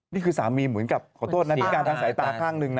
นี่คือสามีเหมือนกับขอโทษนะพิการทางสายตาข้างหนึ่งนะ